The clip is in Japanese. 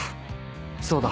そうだ